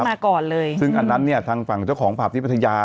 มาก่อนเลยซึ่งอันนั้นเนี่ยทางฝั่งเจ้าของผับที่พัทยา